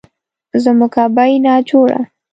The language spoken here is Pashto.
زموږ ابۍ ناجوړه